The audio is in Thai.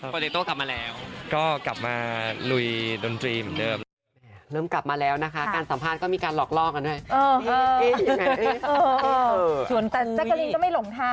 ก็กลับมาลุยดนตรีกันเหมือนเดิม